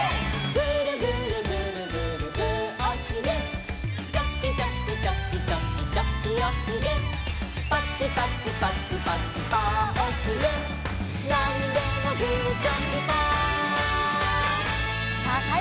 「グルグルグルグルグーおひげ」「チョキチョキチョキチョキチョキおひげ」「パチパチパチパチパーおひげ」「なんでもグーチョキパー」さあさいごはすきなポーズでいくよ。